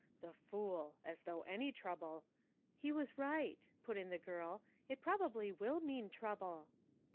The fool. As though any trouble " "He was right," put in the girl, "it probably will mean trouble."